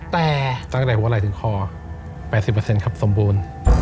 แต่ตั้งแต่หัวไหล่ถึงคอ๘๐ครับสมบูรณ์